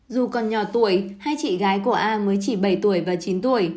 dù còn nhỏ tuổi hai chị gái của a mới chỉ bảy tuổi và chín tuổi